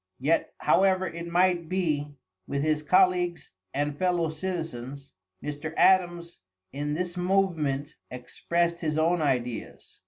Yet, however it might be with his colleagues and fellow citizens, Mr. Adams, in this movement, expressed his own ideas.